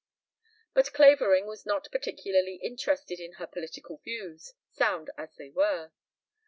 But Clavering was not particularly interested in her political views, sound as they were.